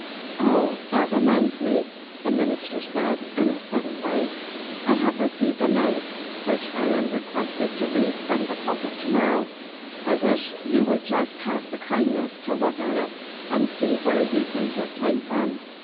"Oh, that reminds me," the minister said, in a sudden way, "I have received a note, which I am requested to read from the pulpit tomorrow. I wish you would just have the kindness to look at it and see where you think it came from."